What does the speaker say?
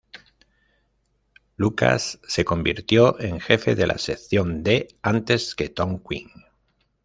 Lucas se convirtió en Jefe de la Sección D, antes que Tom Quinn.